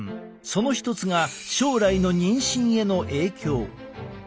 その一つが将来の妊娠への影響。